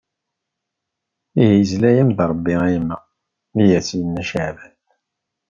Ihi yesla-am-d Rebbi a yemma. I as-yerna Caɛban.